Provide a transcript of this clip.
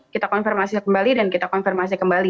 kita konfirmasi kembali dan kita konfirmasi kembali